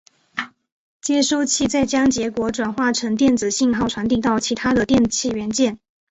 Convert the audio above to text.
接收器再将结果转换成电子信号传递到其它的电气元件。